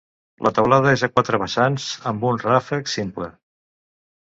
La teulada és a quatre vessants, amb un ràfec simple.